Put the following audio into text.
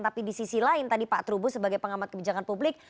tapi di sisi lain tadi pak trubus sebagai pengamat kebijakan publik